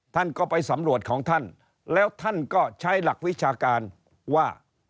ท่านก็ไปสำรวจของท่านแล้วท่านก็ใช้หลักวิชาการว่า